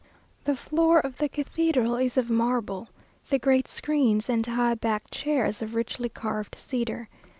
The floor of the cathedral is of marble the great screens and high backed chairs of richly carved cedar.